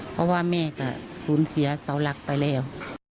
เพราะว่าแม่ก็สูญเสียเสาหลักไปแล้ว